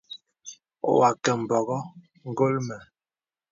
Wa kə mbɔŋɔ̀ ngɔl mə.